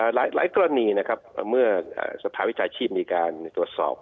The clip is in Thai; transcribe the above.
หลายกรณีนะครับเมื่อสภาวิชาชีพมีการตรวจสอบ